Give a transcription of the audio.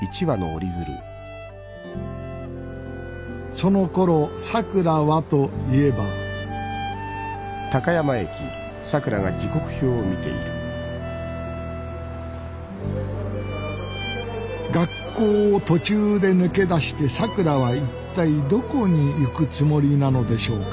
そのころさくらはといえば学校を途中で抜け出してさくらは一体どこに行くつもりなのでしょうか。